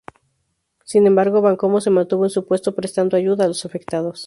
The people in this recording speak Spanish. Sin embargo, Bencomo se mantuvo en su puesto prestando ayuda a los afectados.